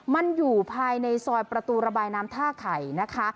มันอยู่ภายในซอยประตูระบายน้ำท่าไข่นะคะ